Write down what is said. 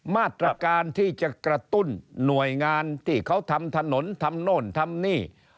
มาตรการที่จะกระตุ้นหน่วยงานที่เขาทำถนนทำโน่นทำนี่